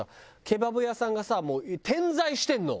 ケバブ屋さんがさもう点在してるの。